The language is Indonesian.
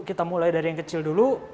kita mulai dari yang kecil dulu